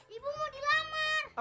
ibu mau dilamar